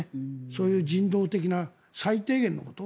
そういう人道的な最低限のこと。